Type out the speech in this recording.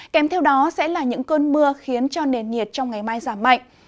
kèm theo đó sẽ là những cơn mưa khiến cho nền nhiệt trong ngày mai giảm mạnh